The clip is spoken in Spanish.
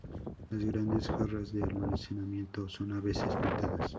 Las grandes jarras de almacenamiento son a veces pintadas.